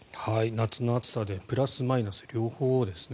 夏の暑さでプラスマイナス両方ですね